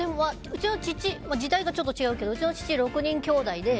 時代がちょっと違うけどうちの父、６人きょうだいで。